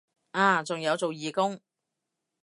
啊仲有做義工